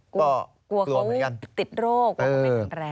กลัวเขาติดโรคว่าเขาเป็นแข็งแรง